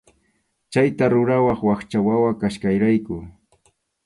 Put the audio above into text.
Chayta rurawaq wakcha wawa kasqayrayku.